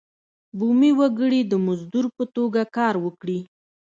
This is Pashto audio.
بومي وګړي د مزدور په توګه کار وکړي.